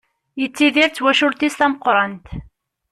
Yettidir d twacult-is tameqqrant.